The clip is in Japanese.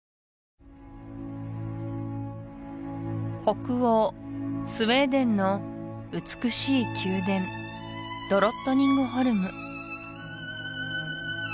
北欧・スウェーデンの美しい宮殿ドロットニングホルム